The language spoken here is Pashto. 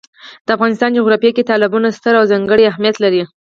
د افغانستان جغرافیه کې تالابونه ستر او ځانګړی اهمیت لري.